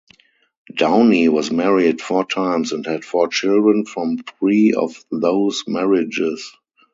Downey was married four times and had four children from three of those marriages.